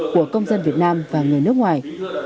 của công dân việt nam và người nước ngoài